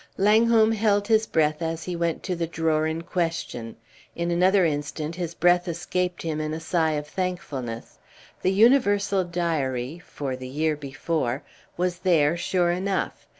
Langholm held his breath as he went to the drawer in question. In another instant his breath escaped him in a sigh of thankfulness. The "Universal Diary" (for the year before) was there, sure enough.